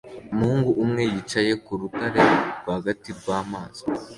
Umuhungu umwe yicaye ku rutare rwagati rwamazi